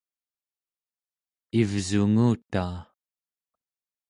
ivsungutaa